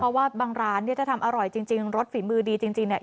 เพราะว่าบางร้านเนี่ยถ้าทำอร่อยจริงรสฝีมือดีจริงเนี่ย